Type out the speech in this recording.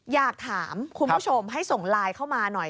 อยากถามคุณผู้ชมให้ส่งไลน์เข้ามาหน่อย